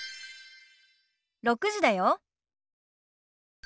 ６時だよ。